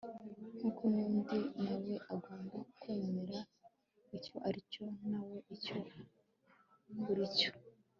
nk'uko n'undi na we agomba kwemera icyo ari cyo nawe icyo uri cyo